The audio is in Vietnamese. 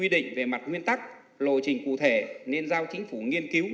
quy định về mặt nguyên tắc lộ trình cụ thể nên giao chính phủ nghiên cứu